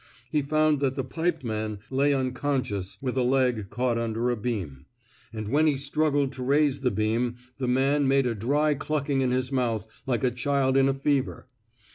He found that the pipeman lay unconscious with a leg caught under a beam; and when he struggled to raise the beam the man made a dry clucking in his mouth like a child in a fever.